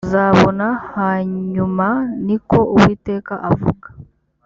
muzabona hanyuma ni ko uwiteka avuga